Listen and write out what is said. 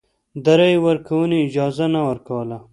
د رایې ورکونې اجازه نه ورکوله.